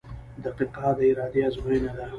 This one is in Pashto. • دقیقه د ارادې ازموینه ده.